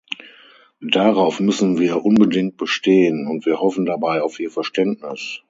Darauf müssen wir unbedingt bestehen, und wir hoffen dabei auf Ihr Verständnis.